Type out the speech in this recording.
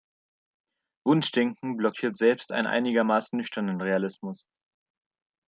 Wunschdenken blockiert selbst einen einigermaßen nüchternen Realismus.